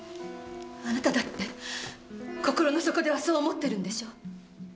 あなただって心の底ではそう思ってるんでしょ？